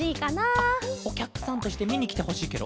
おきゃくさんとしてみにきてほしいケロ？